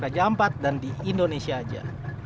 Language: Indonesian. raja ampat dan di indonesia aja